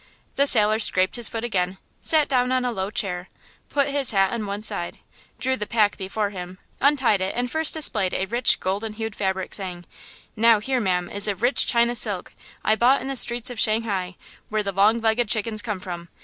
The sailor scraped his foot again, sat down on a low chair, put his hat on one side, drew the pack before him, untied it and first displayed a rich golden hued fabric, saying: "Now here, ma'am, is a rich China silk I bought in the streets of Shanghai, where the long legged chickens come from.